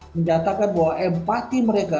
menyatakan bahwa empati mereka